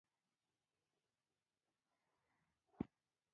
زموږ هر خوړ او کلي کې د کاریزو او چینو همداسې بې هوده بیهږي